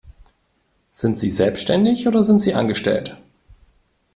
Sind Sie selbstständig oder sind Sie angestellt?